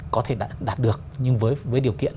có thể đạt được nhưng với điều kiện